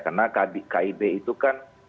karena kib itu kan